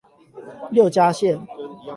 六家線